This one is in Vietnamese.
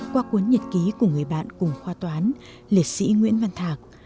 qua cuốn nhật ký của người bạn cùng khoa toán liệt sĩ nguyễn văn thạc